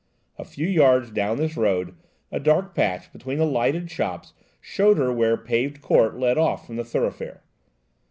A few yards down this road, a dark patch between the lighted shops showed her where Paved Court led off from the thoroughfare.